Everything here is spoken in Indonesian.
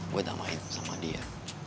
gua damai sama dia